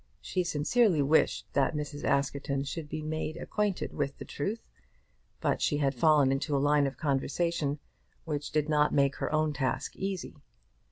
She sincerely wished that Mrs. Askerton should be made acquainted with the truth; but she had fallen into a line of conversation which did not make her own task easy.